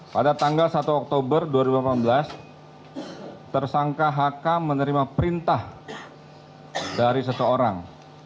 pada tanggal satu oktober dua ribu delapan belas tersangka hk menerima perintah dari seseorang